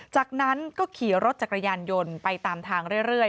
จากนั้นก็ขี่รถจักรยานยนต์ไปตามทางเรื่อย